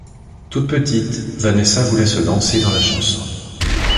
Toute petite, Vanessa voulait se lancer dans la chanson.